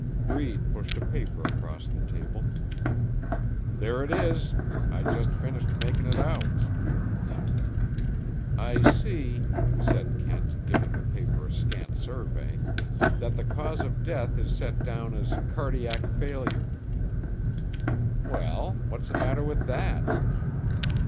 Breed pushed a paper across the table. "There it is. I just finished making it out." "I see," said Kent, giving the paper a scant survey, "that the cause of death is set down as 'cardiac failure'." "Well. What's the matter with that?"